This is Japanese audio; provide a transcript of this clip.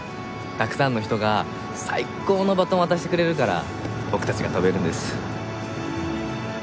たくさんの人が最高のバトンを渡してくれるから僕たちが飛べるんです。